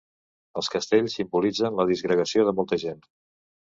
Els castells simbolitzen la disgregació de molta gent.